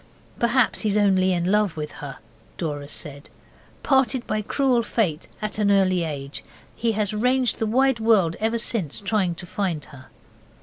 'Perhaps he's only in love with her,' Dora said, 'parted by cruel Fate at an early age, he has ranged the wide world ever since trying to find her.